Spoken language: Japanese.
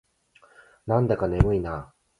なんだか眠いな。